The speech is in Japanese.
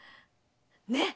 ねっ？